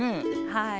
はい。